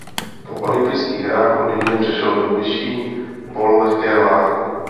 Po olympijských hrách v Londýně přešel do vyšší pololehké váhy.